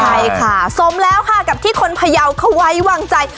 ใช่ค่ะสมแล้วค่ะกับที่คนพยาวเขาไว้วางใจ